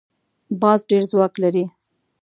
باز ډېر ځواک لري